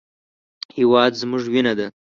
هېواد زموږ وینه ده